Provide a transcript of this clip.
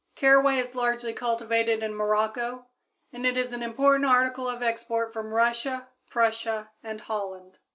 Caraway is largely cultivated in Morocco, and is an important article of export from Russia, Prussia, and Holland.